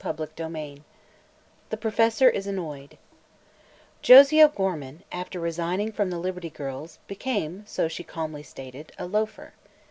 CHAPTER XIV THE PROFESSOR IS ANNOYED Josie O'Gorman, after resigning from the Liberty Girls, became so she calmly stated a "loafer."